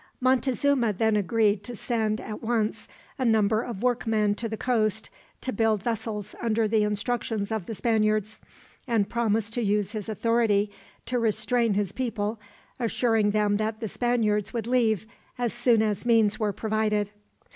Montezuma then agreed to send, at once, a number of workmen to the coast, to build vessels under the instructions of the Spaniards; and promised to use his authority to restrain his people, assuring them that the Spaniards would leave, as soon as means were provided.